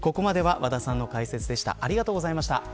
ここまでは和田さんの解説でした。